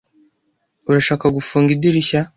Urashaka gufunga idirishya?